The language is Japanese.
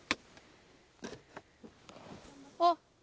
あっ！